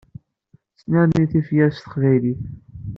Snerni tifyar s teqbaylit.